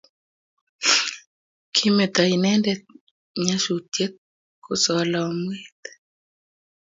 Kimeto inendet nyasutiet ko solomwet